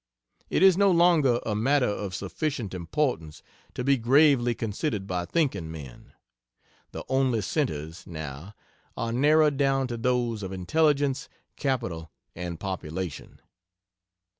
It is no longer a matter of sufficient importance to be gravely considered by thinking men. The only centres, now, are narrowed down to those of intelligence, capital and population.